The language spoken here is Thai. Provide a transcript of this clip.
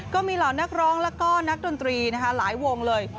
ก็มีเหล่านักร้องแล้วก็นักดนตรีนะคะหลายวงเลย